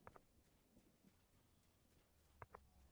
আপনি নায়ক সাজতে গেলেন কেন?